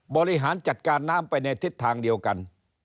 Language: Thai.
บริหารจัดการน้ำไปในทิศทางเดียวกัน